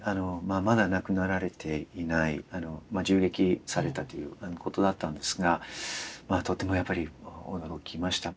まだ亡くなられていない銃撃されたということだったんですがとてもやっぱり驚きました。